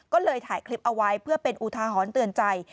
ก็เลยถ่ายคลิปเอาไว้เพื่อเป็นอุทาหรณ์เตือนใจ